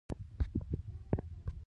د رایې ورکولو حق هر چا ته شته.